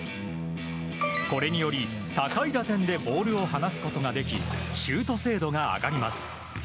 これにより高い打点でボールを離すことができシュート精度が上がります。